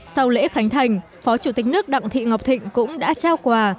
sau lễ khánh thành phó chủ tịch nước đặng thị ngọc thịnh cũng đã trao quà